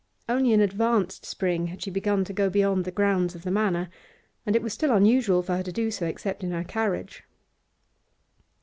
Only in advanced spring had she begun to go beyond the grounds of the Manor, and it was still unusual for her to do so except in her carriage.